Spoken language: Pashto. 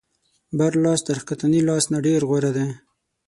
بر لاس تر ښکتني لاس نه ډېر غوره دی.